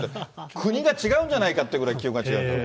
国が違うんじゃないかっていうぐらい気温が違う。